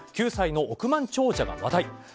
９歳の億万長者が話題。